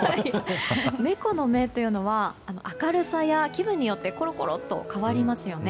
猫の目は明るさや気分によってコロコロと変わりますよね。